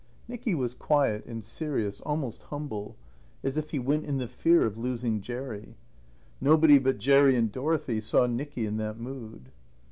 Nicky was quiet and serious, almost humble, as if he went in the fear of losing Jerry. Nobody but Jerry and Dorothy saw Nicky in that mood.